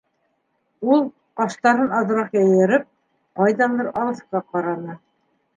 Ул, ҡаштарын аҙыраҡ йыйырып, ҡайҙалыр алыҫҡа ҡараны: